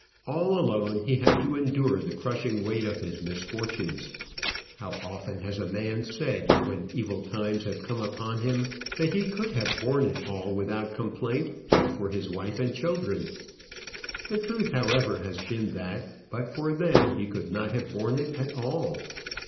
All alone he had to endure the crushing weight of his misfortunes. How often has a man said, when evil times have come upon him, that he could have borne it all without complaint, but for his wife and children? The truth, however, has been that, but for them, he could not have borne it at all.